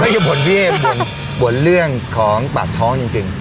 ไม่ก็บ่นพี่เอเดี๋ยวผมบ่นเรื่องของปากท้องจริงจริง